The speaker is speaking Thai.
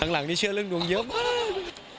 หลังนี่เชื่อเรื่องดวงเยอะมาก